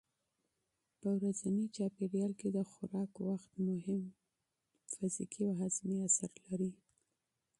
په ورځني چاپېریال کې د خوراک وخت مهم فزیکي او هاضمي اثر لري.